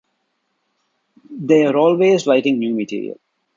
They are always writing new material.